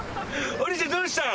お兄ちゃんどうしたの？